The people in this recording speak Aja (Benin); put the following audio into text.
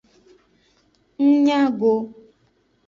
Ng nya go.